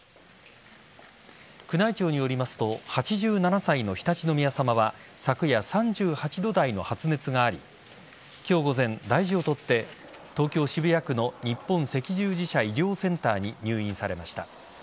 宮内庁によりますと８７歳の常陸宮さまは昨夜、３８度台の発熱があり今日午前、大事を取って東京・渋谷区の日本赤十字社医療センターに入院されました。